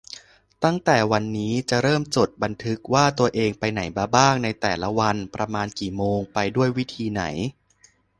ตั้งแต่วันนี้ จะเริ่มจดบันทึกว่าตัวเองไปไหนมาบ้างในแต่ละวัน ประมาณกี่โมง ไปด้วยวิธีไหน